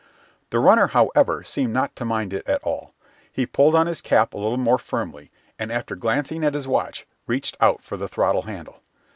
The "runner," however, seemed not to mind it at all. He pulled on his cap a little more firmly, and, after glancing at his watch, reached out for the throttle handle.